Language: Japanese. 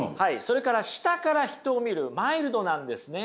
下から人を見るマイルドなんですね。